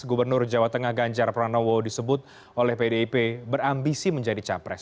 gubernur jawa tengah ganjar pranowo disebut oleh pdip berambisi menjadi capres